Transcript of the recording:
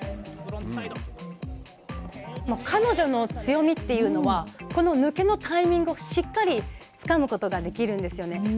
彼女の強みというのはこの抜けのタイミングをしっかりつかむことができるんですよね。